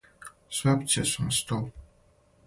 Све опције су на столу.